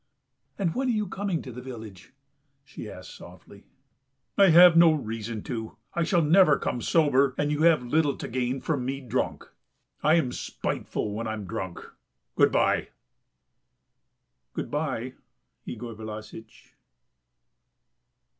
"And when are you coming to the village?" she asked softly. "I have no reason to, I shall never come sober, and you have little to gain from me drunk; I am spiteful when I am drunk. Good bye!" "Good bye, Yegor Vlassitch."